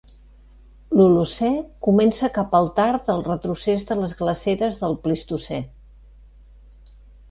L'Holocè comença cap al tard del retrocés de les glaceres del Plistocè.